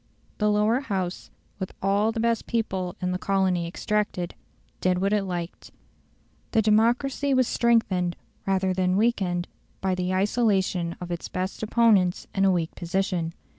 The Lower House, with all the best people in the colony extracted, did what it liked. The democracy was strengthened rather than weakened by the isolation of its best opponents in a weak position.